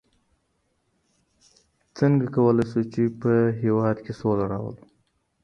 څرنګه کولای سو چي په هېواد کي سوله راولو؟